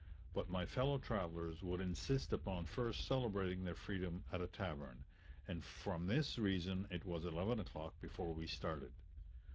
But my fellow travellers would insist upon first celebrating their freedom at a tavern, and from this reason it was 11 o'clock before we started.